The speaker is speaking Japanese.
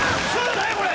何やこれ？